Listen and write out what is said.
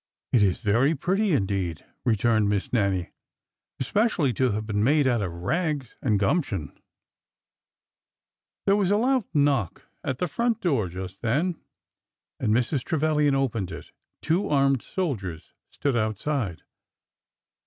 " It is very pretty, indeed," returned Miss Nannie, " especially to have been made out of rags and gump tion !" There was a loud knock at the front door just then, and Mrs. Trevilian opened it. Two armed soldiers stood out side.